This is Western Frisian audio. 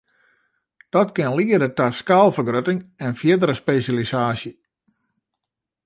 Dat kin liede ta skaalfergrutting en fierdere spesjalisaasje.